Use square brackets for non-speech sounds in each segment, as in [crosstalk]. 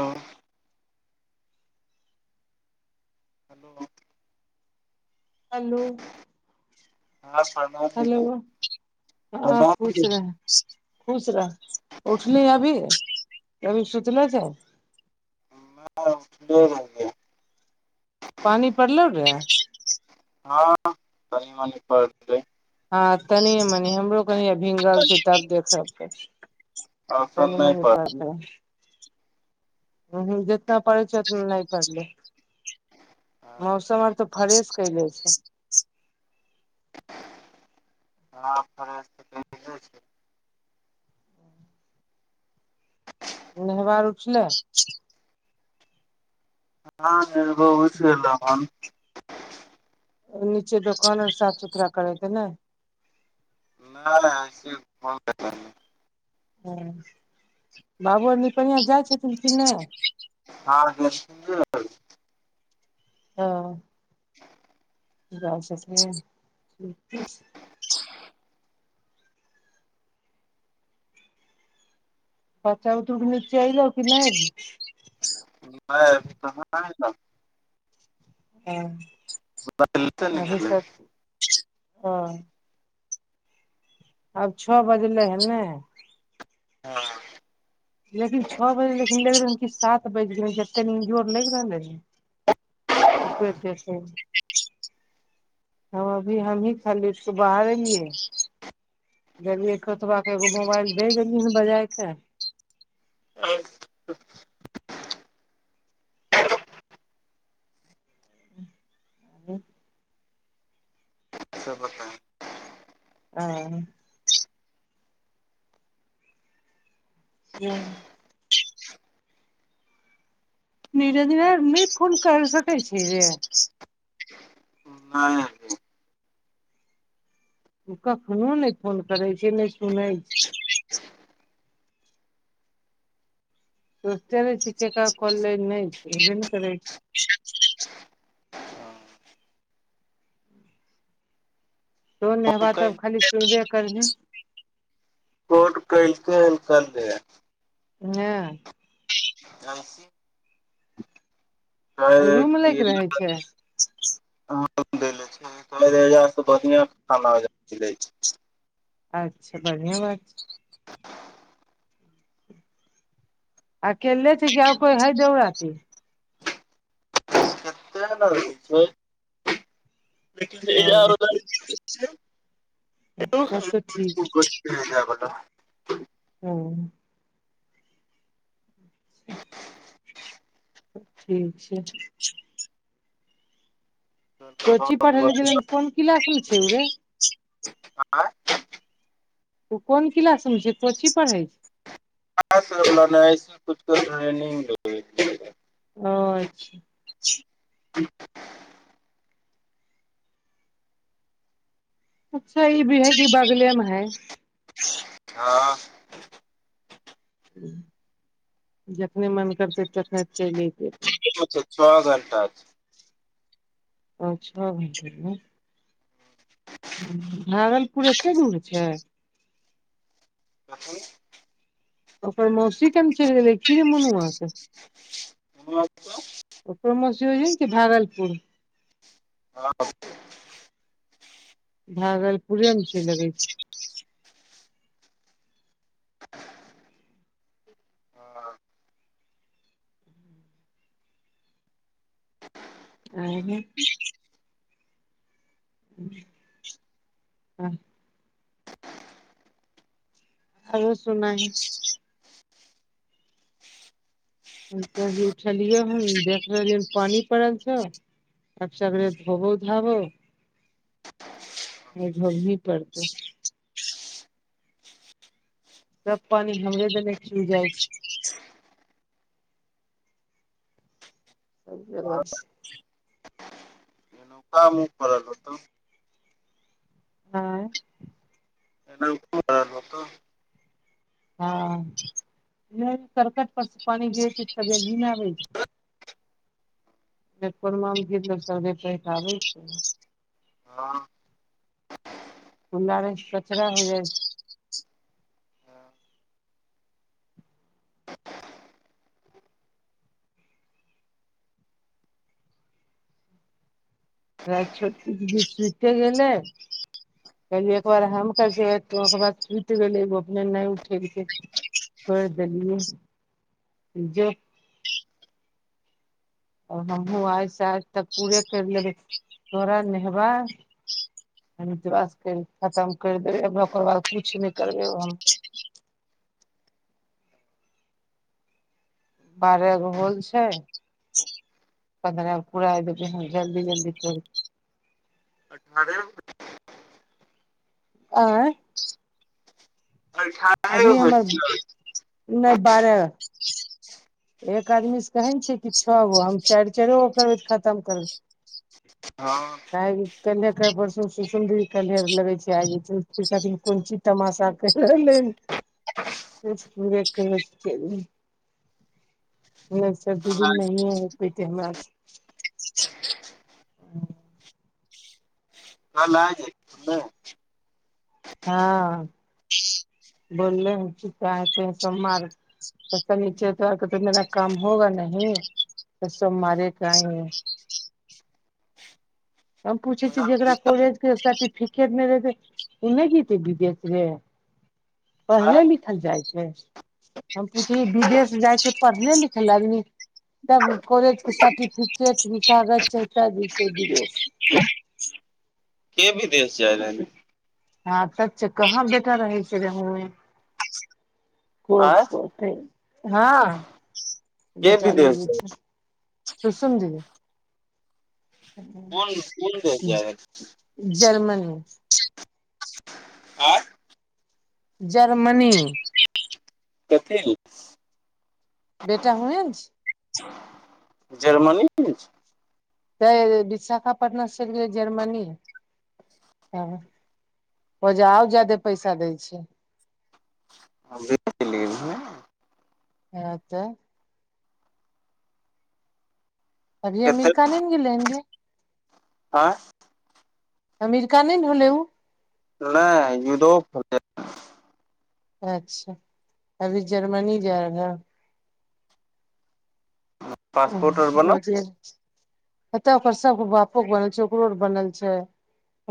हँ [inaudible] hello. Hello. हँ [inaudible] हँ खुश रह खुश रह उठली अभी। की अभी सुतले छै। [unintelligible] पानि पड़लौ रे? हँ कनी मनी परलै। हँ तनि मनी हमरो कनि भींग रहल छियै तब देखब फेर। असल में बच [inaudible] हु हु जितना पड़ैक चाही ओतना नहि पड़लै। मौसम आर तो फ्रेश कयले छैय राम प्रेस। ओने हवा उठलै? [unintelligible] हँ एगो ओहि से एलौहन। नीचे दोकान आर साफ सुथरा करैके ने। नहि नहि अहाँके से फोन करता। बाबु आर निपनियाँ जाय छैय। हँ जाय छथिन्ह ओत। हँ। [inaudible] जाय छथिन। बच्चा उच्चा के मौसी ऐलहु की नहि अभी? नै एखन कहाँ ऐलह। हँ अही सब हँ। आब छअ बजलै हे ने। हँ। लेकिन छअ बजलय लेकिन लगि रहलै कि सात बाजि गेल ह, एतेक इजोर लागि रहलै हन। उपे देसे [unintelligible] एक्कीस [unintelligible] हँ अभी हमही खाली सुबह आबे लियै। गेलियै कुतबा के एगो मोबाइल भेज देतही ने बजायके। [unintelligible] [inaudible] खबरदार। हँ। [unintelligible] निरजबा के नहि फोन कर सकै छी रे। नहि। ओ कखनो नहि फोन करै छै ने सुनै छै। त चलै छी ककर कॉल रहय नहि छै, छेबे नहि करय। [unintelligible] तु ने बात आब खाली सुनबे करीहे केलके उत्तर दय ने बसी कैल रूम के लैके रहै छै [unintelligible] आम देने छै कहलियै जे आहाँ से बढ़िया जेका मिलै छैय अच्छा बढ़िया बात छै अकेले छै कि आ कोय हय देवराती कैते रहै ओ छै तब तऽ [unintelligible] ठीक [unintelligible] हम्म ठीक छै कोची पढ़ै ले गेलै कोन क्लास मे छै उ रे [inaudible] आये उ कोन क्लास में छै कोची पढ़ै छै आय से ने ने आइछ कुछ कुछ ट्रेनिंग लै य ओ अइछ अच्छा ई भी है की बागले मे है [unintelligible] हाँ [inaudible] जखने मन करतै तखने चलि अयतै अत से छः घण्टा छै ओ छः घंटा मे भागलपुर एते दूर छै [unintelligible] ओकर मौसी केम चलि गेलै की मनुआ के [unintelligible] ओकर मौसी वही की भागलपुर हाँ भागलपुरे मे चैल अबै छै उह्ह्ह [unintelligible] आबो सुनाइ हये भी ही उठलियै हन देख लेलियै पानि पड़ल छै अब सबेरे दोबू धाबो आई घोबही पड़तै सब पानि हमरे देने चुइ जाइ छै [unintelligible] काम उम परल होतेन आँय [unintelligible] हाँ नै करकट पर से पानी गिराइ छै तब ही लीने आब छै जे कोन मे गिरलो सबे पहिका बै छै हाँ खुला रायस कचरा होइ जाइ छै रैत छोटी दीदी सुते गेलै कहलिय एकबार हम करै छै ओकर बाद छूटि गेलै अपने नहि उठेलकै। छोइर देलिये जे। हमहुूँ आइस आज तक पूरे करि लेबै तोरा नेहबा। [inaudible] खतम करि देबै ओकर बाद किछ नहि करबै हम। बारह गो होल छै। पंद्रगो पूरा देवे हँ जलदी जलदी तो। अरे। आय। अठारह अभी हमर होत नहि पारे। एक आदमी से कहैन छै कि छओ गो हम चारि चार गो करबै तऽ खतम करब। हँ। आइ कलहे पर सु सुन्दरी कल्हर लगै छै आइ खातिर कोन चीज? तमाशा के [inaudible] [inaudible] नहि स दू कल दिन आज नहिए हो पैते हमरा सऽ ह हम ना जाइब। हँ बोल्ले की कहतै सोमवार। तबत नीचे तोरके तऽ मेरा काम होगा नहि त सोमारेके आएंगे। हम पूछै छी जेकरा ने कॉलेजके सर्टिफिकेट नहि रहेतै ओ नहि जेते विदेशी रे आँय पढ़ले लिखल जाइ छै? हम पूछै विदेश जाइ छै पढ़ले लिखे लय की? तब कॉलेज के सर्टिफिकेट [inaudible] भ कागज - के विदेेश जाय रहल है? [inaudible] कहाँ बेटा रहै छै जे होए ओ। आँय हँ के बेटा विदेश लेने जाय छै शुसुम दीदी। कोन कोन देश जाय हे? जर्मनी। आँय जर्मनी। [inaudible] बेटा हुएन छै ज जर्मनी में के छै? तऽ विशाखापट्नासँ गेल जर्मनी। हँ ओजा आउ ज्यादे पैसा दैय छै। हा से [inaudible] इहेत तऽ। अभी कते अमिरेका नहि ने गेल हेतै? आँइ? अमिरेका नहि ने होले ऊ? नहि युरोप। अच्छा अभी जर्मनी जाय रहल। पासपोर्ट आर ओ बनल छिये ओत ओकर सब बापो के बनल छैय ओकरो बनल छैय।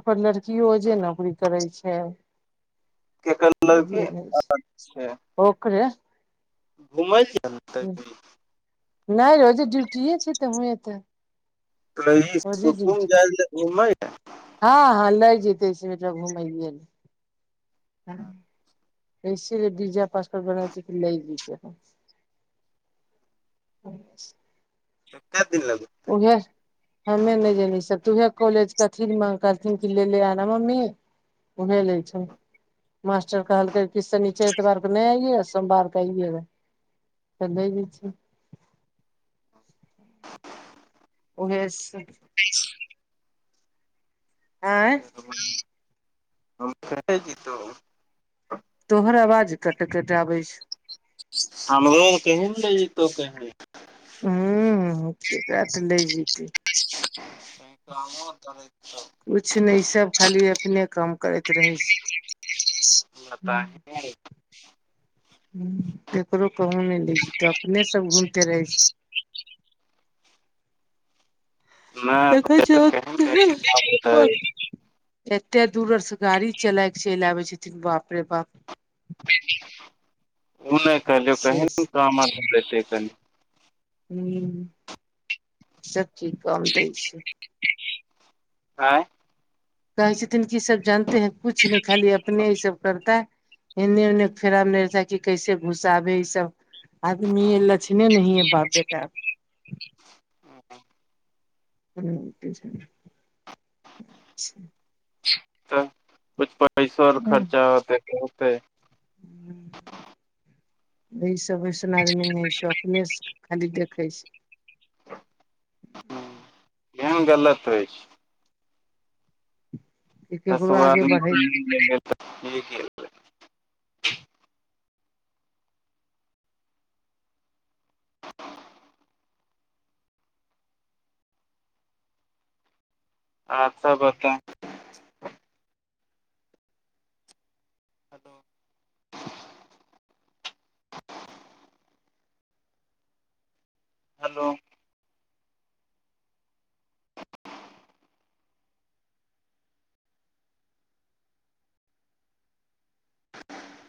ओकर लड़कियो ओजे नौकरी करे छैय। केकर लड़की आ छै। ओकरे घुमैल [inaudible] - नहि ओजे डूटीये छैय तऽ हुए तऽ। त ई ओजे सुसुम ड्यूटी जाइया घुमेले। हँ हँ लयै जेतै सँ टा घुमलै। ऐसी लऽ पीजा पासता [inaudible] लै जेबे। कयते दिन लागै? येह। हमे नहि जाने छी तूहे कॉलेज क अथी में करथिन कि ले ले आना मम्मी। उहे लै छैय। मास्टर कहलकै कि सनीचर एतबार के नहि आइयए सोमवार के आइये लैय। तऽ द दै छैय। ओहेसे। होई छै। आँय हम परै जाइतो। तोहर आवाज कटे कटे आबै छो। हमरो कही ने लैय जयतो कही। हम्म एकरा तऽ लै जयतै। [inaudible] किछु नहि सभ खाली अपने काम करैत रहै बताही छैय। नहि ककरो कहू नहि लै छी तऽ अपने सब घूमते रहै छी। नैह [inaudible] देखै छै ओतेहे एते दूर आर से गाड़ी चलाय के चलि आबे छथिन बाप रे बाप। ओ नहि कहलियौ कही शेष ने कामते कनि। ह्म्म सब चीज कम दै छै। आँय। कहै छथिन की सब जानते हैं कुछ ने खाली अपने ई सब करतेऽ। एन्ने ओने फेरा मे नहि रहै छै कि कैसे घुसाबै ई सब। आदमीये लछिनै ने है बाप बेटा। [inaudible] तऽ कुछ पैसो आर खर्चा होते होते। ई सबैसनार में नई छौ। इनेस खाली देखै छै। केहन गलत अइछ। कि केकरो आगे बढ़ै [inaudible] आर सब बता? हेलो। हलो।